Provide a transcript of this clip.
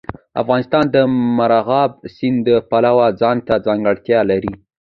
افغانستان د مورغاب سیند د پلوه ځانته ځانګړتیا لري.